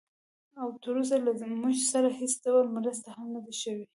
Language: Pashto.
او تراوسه له موږ سره هېڅ ډول مرسته هم نه ده شوې